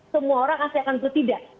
semua orang akan setidak